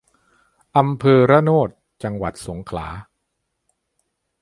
อำเภอระโนด จังหวัดสงขลา